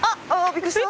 びっくりした！